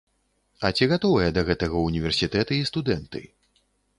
А ці гатовыя да гэтага ўніверсітэты і студэнты?